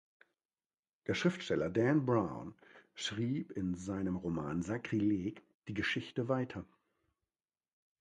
Der Schriftsteller Dan Brown schrieb in seinem Roman "Sakrileg" die Geschichte weiter.